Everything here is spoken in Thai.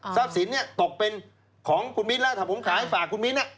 สินตกเป็นของคุณมิ้นแล้วถ้าผมขายฝากคุณมิ้น